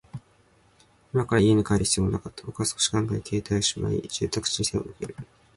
今から家に帰る必要もなかった。僕は少し考え、携帯をしまい、住宅地に背を向ける。